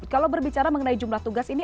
kalau berbicara mengenai jumlah tugas ini